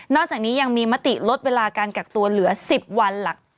อกจากนี้ยังมีมติลดเวลาการกักตัวเหลือ๑๐วันหลัก